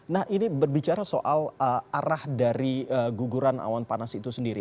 nah ini berbicara soal arah dari guguran awan panas itu sendiri